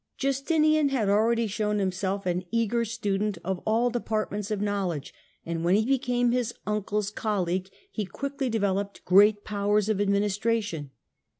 Justinian had already shown himself an eager student of all departments of knowledge, and when he became his uncle's colleague he quickly developed great powers of administration.